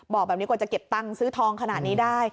บอกแบบนี้กว่าจะเก็บตังค์ซื้อทองขนาดนี้ได้